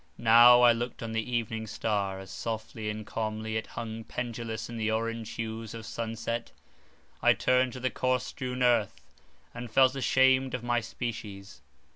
Now, I looked on the evening star, as softly and calmly it hung pendulous in the orange hues of sunset. I turned to the corse strewn earth; and felt ashamed of my species.